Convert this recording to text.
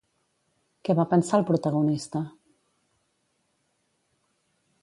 Què va pensar el protagonista?